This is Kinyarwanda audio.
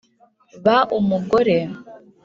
ba umugore